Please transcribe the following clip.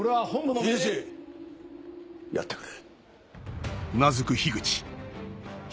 やってくれ。